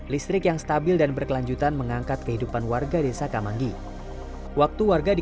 listrik yang stabil dan berkelanjutan mengangkat kehidupan warga desa kamanggi waktu warga di